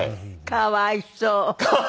かわいそう。